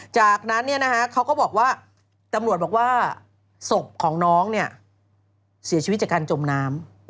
จากนั้นเขาก็บอกว่าตำรวจบอกว่าศพของน้องเสียชีวิตจากการจมน้ำ